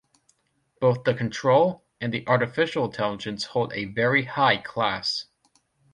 Both the control and the artificial intelligence hold a very high class.